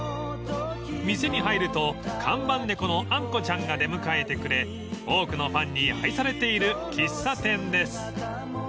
［店に入ると看板猫のあんこちゃんが出迎えてくれ多くのファンに愛されている喫茶店です］